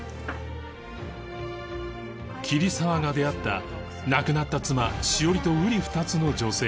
桐沢が出会った亡くなった妻史織とうり二つの女性